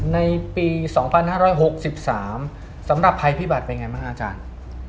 ในปี๒๕๖๓สำหรับภัยพิบัตรเป็นไงบ้างฮะอาจารย์